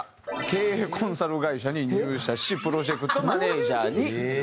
経営コンサル会社に入社しプロジェクトマネージャーに就かれます。